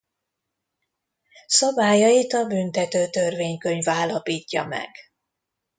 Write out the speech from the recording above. Szabályait a Büntető Törvénykönyv állapítja meg.